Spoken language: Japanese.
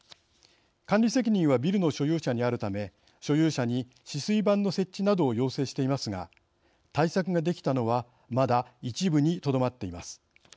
管理責任はビルの所有者にあるため所有者に止水板の設置などを要請していますが対策ができたのはまだ一部にとどまっています。